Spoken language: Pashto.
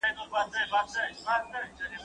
انلاین رسنۍ ورځ تر بلې مشهورېږي